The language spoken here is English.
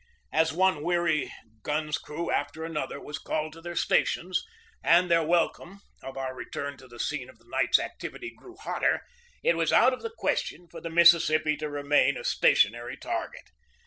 As one weary gun's crew after another was called to their stations, and their welcome of our return to the scene of the night's activities grew hotter, it was out of the question for the Mississippi to remain a stationary target.